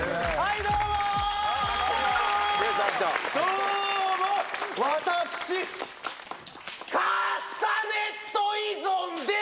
どうも、私、カスタネット依存でーす！